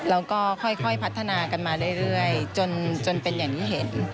แล้วก็ค่อยพัฒนากันมาเรื่อยจนเป็นอย่างที่เห็น